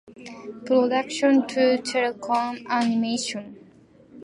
Production to Telecom Animation.